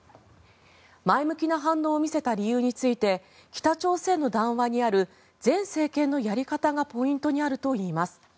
前向きな反応を見せた理由について北朝鮮の談話にある前政権のやり方がポイントにあるといいます。